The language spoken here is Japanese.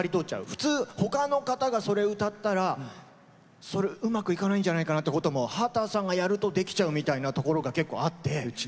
普通ほかの方が歌ったらそれ、うまくいかないんじゃないかなってことも秦さんがやるとできちゃうみたいなところも結構あって。